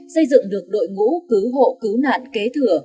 xây dựng được đội ngũ cứu hộ cứu nạn kế thừa